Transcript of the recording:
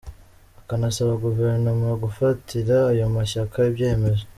akanasaba Guverinoma gufatira ayo mashyaka ibyemezo.